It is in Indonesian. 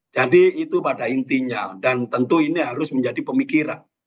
jadi itu pada intinya dan tentu ini harus menjadi pemikiran